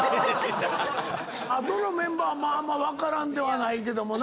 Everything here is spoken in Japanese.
あとのメンバーまあ分からんではないけどもな。